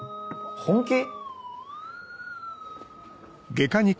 本気？